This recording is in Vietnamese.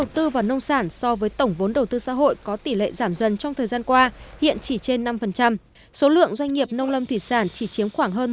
tỷ trọng doanh nghiệp nông lâm thủy sản có số lượng doanh nghiệp nông lâm thủy sản chỉ chiếm khoảng hơn một